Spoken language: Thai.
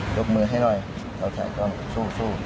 ยกมือให้หน่อยเราถ่ายกล้องสู้สู้